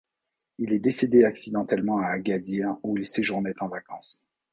Il est décédé accidentellement à Agadir, où il séjournait en vacances.